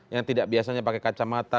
yang tidak biasanya pakai kacamata